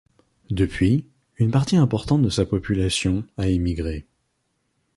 Depuis, une partie importante de sa population a émigré.